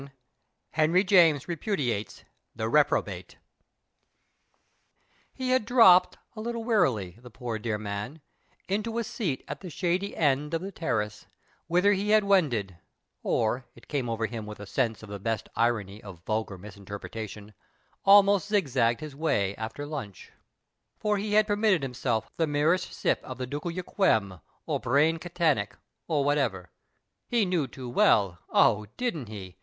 50 HENRY JAMES REPUDIATES "THE REPROBATE" He had dropped, a little wearily, the poor dear man, into a seat at the shady end of the terrace, whither he had wended or, it came over him with a sense of the blest " irony " of vulgar misinterpre tation, almost zig zagged his way after lunch. For he had permitted himself the merest sip of the ducal Yquem or Brane Cantenac, or whatever — he knew too well, oh, didnH he